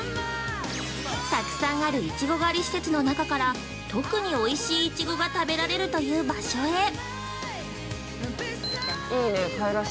たくさんあるいちご狩り施設の中から、特においしいいちごが食べられるという場所へ。